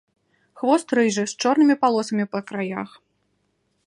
Хвост рыжы з чорнымі палосамі па краях.